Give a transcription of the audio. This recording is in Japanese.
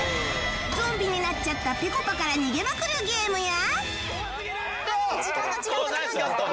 ゾンビになっちゃったぺこぱから逃げまくるゲームや